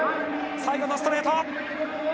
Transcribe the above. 最後のストレート。